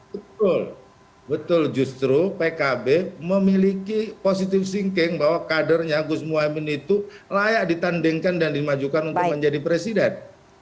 betul betul justru pkb memiliki positive thinking bahwa kadernya gus muhaymin itu layak ditandingkan dan dimajukan untuk menjadi presiden